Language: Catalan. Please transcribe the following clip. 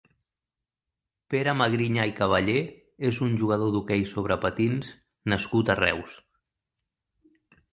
Pere Magriñà i Cavallé és un jugador d'hoquei sobre patins nascut a Reus.